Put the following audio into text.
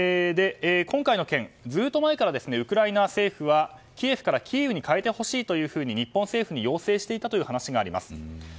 今回の件、ずっと前からウクライナ政府はキエフからキーウに変えてほしいというふうに日本政府に要請していたという話があります。